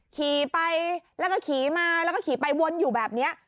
ขี่ไปแล้วก็ขี่มาแล้วก็ขี่ไปวนอยู่แบบนี้